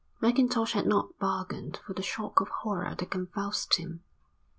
Mackintosh had not bargained for the shock of horror that convulsed him.